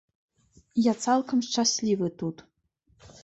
Я цалкам шчаслівы тут.